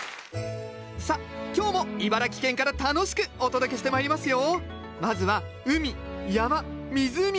さあ今日も茨城県から楽しくお届けしてまいりますよ。